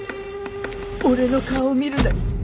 俺の顔を見るなり。